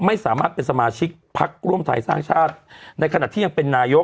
ไม่สามารถเป็นสมาชิกพักร่วมไทยสร้างชาติในขณะที่ยังเป็นนายก